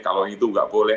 kalau itu nggak boleh